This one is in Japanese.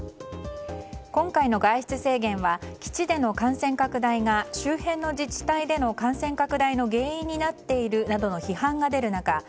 今回の外出制限は基地での感染拡大が周辺の自治体での感染拡大の原因になっているなどの批判が出る中